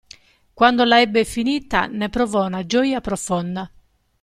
Quando la ebbe finita ne provò una gioia profonda.